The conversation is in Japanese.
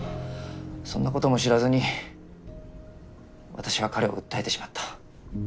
そんな事も知らずに私は彼を訴えてしまった。